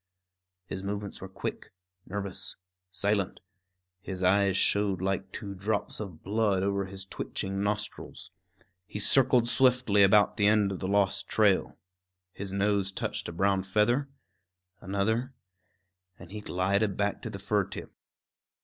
His movements were quick, nervous, silent; his eyes showed like two drops of blood over his twitching nostrils. He circled swiftly about the end of the lost trail. His nose touched a brown feather, another, and he glided back to the fir tip.